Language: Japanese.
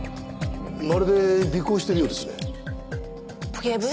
まるで尾行しているようですね。